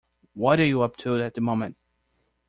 What are you up to at the moment?